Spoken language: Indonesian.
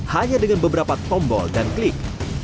hanya dengan beberapa tombol dan klik